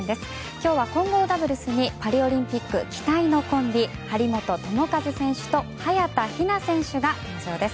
今日は混合ダブルスにパリオリンピック期待のコンビ張本智和選手と早田ひな選手が登場です。